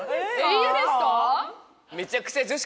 いいんですか？